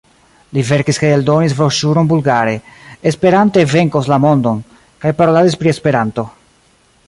Li verkis kaj eldonis broŝuron bulgare: "Esperanto venkos la mondon" kaj paroladis pri Esperanto.